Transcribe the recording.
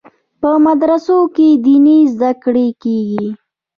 په مدرسو کې دیني زده کړې کیږي.